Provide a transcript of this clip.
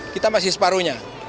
kita masih separuhnya